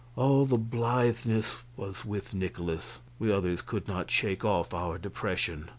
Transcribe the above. All the blitheness was with Nikolaus; we others could not shake off our depression.